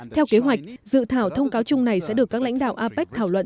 theo kế hoạch dự thảo thông cáo chung này sẽ được các lãnh đạo apec thảo luận